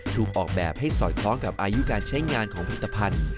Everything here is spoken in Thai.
ถูกออกแบบให้สอดคล้องกับอายุการใช้งานของผลิตภัณฑ์